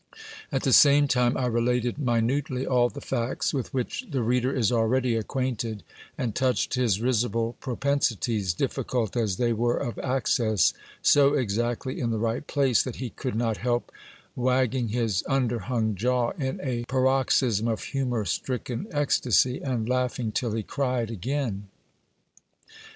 At the same time I related minutely all the facts with which the reader is already acquainted, and touched his risible propensities, difficult as they were of access, so exactly in the right place, that he could not help wag ging his under hung jaw in a paroxysm of humour stricken ecstasy, and laugh ing till he cried again.